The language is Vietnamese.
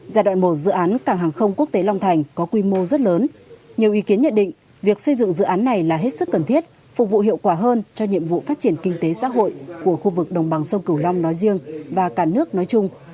giai đoạn một dự án cảng hàng không quốc tế long thành có quy mô rất lớn nhiều ý kiến nhận định việc xây dựng dự án này là hết sức cần thiết phục vụ hiệu quả hơn cho nhiệm vụ phát triển kinh tế xã hội